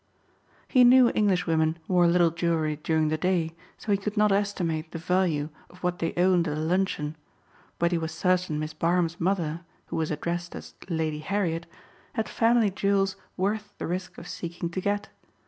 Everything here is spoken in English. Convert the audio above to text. He knew English women wore little jewelry during the day so he could not estimate the value of what they owned at a luncheon, but he was certain Miss Barham's mother, who was addressed as Lady Harriet, had family jewels worth the risk of seeking to get.